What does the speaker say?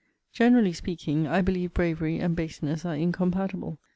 Generally speaking, I believe bravery and baseness are incompatible.